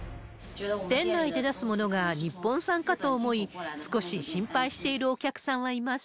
店内で出すものが日本産かと思い、少し心配しているお客さんはいます。